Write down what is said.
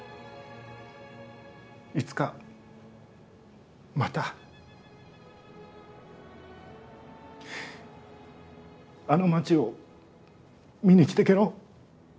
いつかまたあの町を見に来てけろ。